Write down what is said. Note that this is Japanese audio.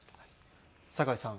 酒井さん。